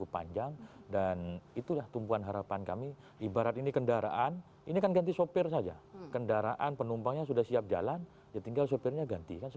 pemilu kurang dari tiga puluh hari lagi hasil survei menunjukkan hanya ada empat partai